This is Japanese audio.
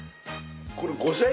これ５０００